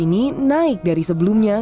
ini naik dari sebelumnya